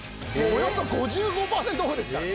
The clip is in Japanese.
およそ５５パーセントオフですから。